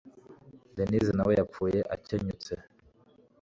dennis na we yapfuye akenyutse